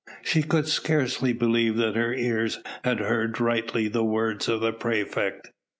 She could scarcely believe that her ears had heard rightly the words of the praefect.